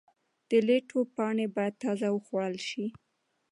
د لیټو پاڼې باید تازه وخوړل شي.